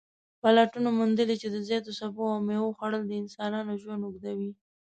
پلټنو موندلې چې د زیاتو سبو او میوو خوړل د انسانانو ژوند اوږدوي